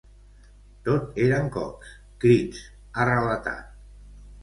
Tot eren cops, crits, ha relatat.